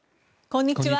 こんにちは。